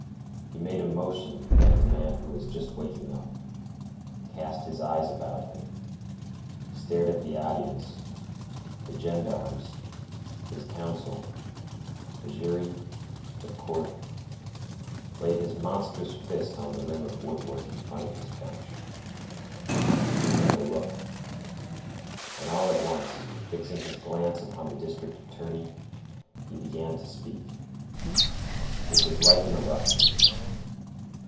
He made a motion like a man who is just waking up, cast his eyes about him, stared at the audience, the gendarmes, his counsel, the jury, the court, laid his monstrous fist on the rim of woodwork in front of his bench, took another look, and all at once, fixing his glance upon the district attorney, he began to speak. It was like an eruption.